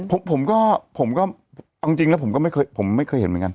ผมผมก็ผมก็เอาจริงแล้วผมก็ไม่เคยผมไม่เคยเห็นเหมือนกัน